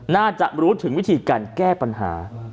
น่าจะรู้ถึงวิธีการแก้ปัญหา